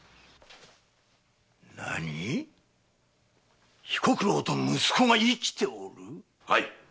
何⁉彦九郎と息子が生きておる⁉はい。